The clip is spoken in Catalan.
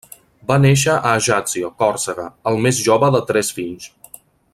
Va néixer a Ajaccio, Còrsega, el més jove de tres fills.